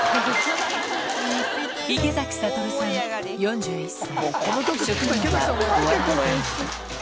池崎慧さん４１歳。